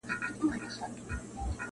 بیا د صمد خان او پاچاخان حماسه ولیکه-